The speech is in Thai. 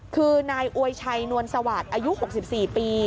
คือนายอวยชัยนวลสวัสดิ์อายุ๖๔ปี